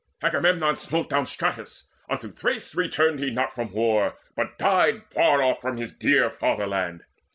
Agamemnon smote down Stratus: unto Thrace Returned he not from war, but died far off From his dear fatherland.